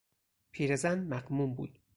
پیرزن مغموم بود.